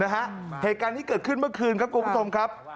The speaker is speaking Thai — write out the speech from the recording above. เหตุการณ์ที่เกิดขึ้นเมื่อคืนครับกลุ่มประสงค์ครับ